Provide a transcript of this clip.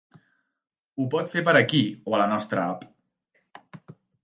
Ho pot fer per aquí, o a la nostra app.